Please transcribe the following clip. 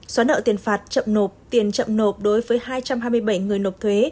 xóa nợ tiền phạt chậm nộp tiền chậm nộp đối với hai trăm hai mươi bảy người nộp thuế